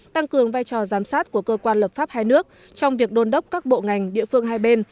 tăng cường vai trò giám sát của cơ quan lập pháp hai nước trong việc đôn đốc các bộ ngành địa phương hai bên